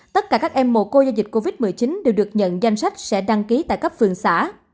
tất cả các em mồ côi do dịch covid một mươi chín đều được nhận danh sách sẽ đăng ký tại cấp phường xã